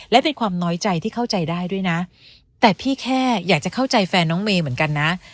และเป็นความน้อยใจที่เข้าใจได้ด้วยนะแต่พี่แค่อยากจะเข้าใจแฟนน้องเมย์เหมือนกันนะ